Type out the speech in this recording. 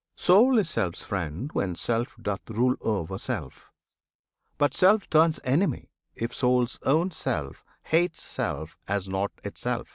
Soul is Self's friend when Self doth rule o'er Self, But Self turns enemy if Soul's own self Hates Self as not itself.